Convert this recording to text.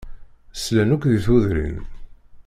Slan akk di tudrin.